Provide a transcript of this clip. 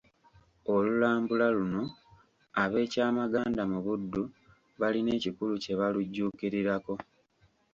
Olulambula luno ab'e Kyamaganda mu Buddu balina ekikulu kye balujjuukirirako.